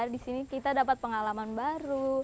disini kita dapat pengalaman baru